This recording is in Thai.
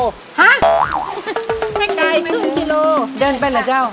ครึ่งฮะไม่ไกลครึ่งฮะไม่ไกลครึ่งฮะไม่ไกลครึ่งฮะเดินไปหรอเจ้า